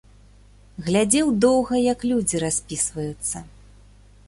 Глядзеў доўга, як людзі распісваюцца.